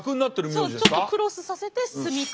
そうちょっとクロスさせて炭竈様。